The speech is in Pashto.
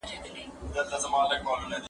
زه له سهاره د کتابتون د کار مرسته کوم،